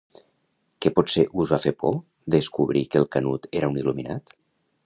¿Que potser us va fer por, descobrir que el Canut era un il·luminat?